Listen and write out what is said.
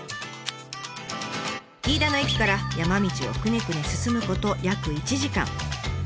飯田の駅から山道をくねくね進むこと約１時間。